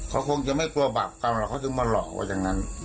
เขาคงจะไม่กลัวบาปกรรมเขาถึงมาหลอกจากนั้น